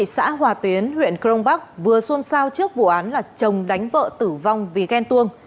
xã hòa tiến huyện crong bắc vừa xuân sao trước vụ án là chồng đánh vợ tử vong vì ghen tuông